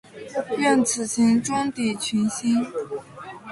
愿此行，终抵群星。